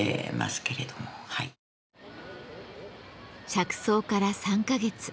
着想から３か月。